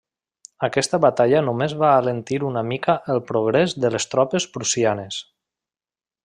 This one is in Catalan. Aquesta batalla només va alentir una mica el progrés de les tropes prussianes.